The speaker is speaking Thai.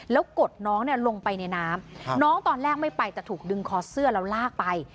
แล้วกดน้องลงไปในน้ำน้องตอนแรกไม่ไปแต่ถูกดึงคอเสื้อแล้วลากไป